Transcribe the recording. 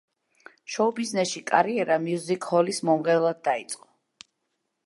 შოუ-ბიზნესში კარიერა მიუზიკ-ჰოლის მომღერლად დაიწყო.